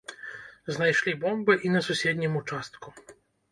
Знайшлі бомбы і на суседнім участку.